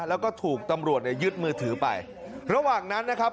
แล้วก็ถูกตำรวจเนี่ยยึดมือถือไประหว่างนั้นนะครับ